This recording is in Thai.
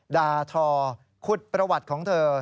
ดาทอขุดประวัติของเธอ